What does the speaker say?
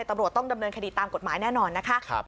ตำรวจต้องดำเนินคดีตามกฎหมายแน่นอนนะคะ